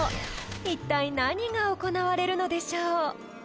［いったい何が行われるのでしょう？］